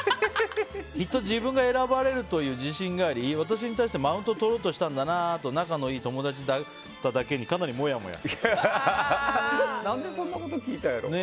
きっと自分が選ばれるという自信があり私に対してマウントをとろうとしたんだなと仲のいい友達だっただけに何でそんなこと聞いたんやろう。